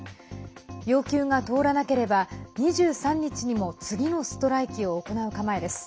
要求が通らなければ２３日にも次のストライキを行う構えです。